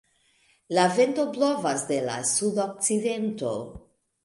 La vento blovas de la sudokcidento.